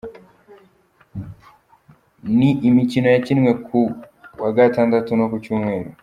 Ni imikino yakinwe kuwa Gatandatu no ku Cyumweru.